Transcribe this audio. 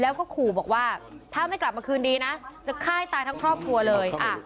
แล้วก็ขู่บอกว่าถ้าไม่กลับมาคืนดีนะจะฆ่าให้ตายทั้งครอบครัวเลย